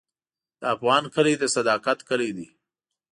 د افغان کلی د صداقت کلی دی.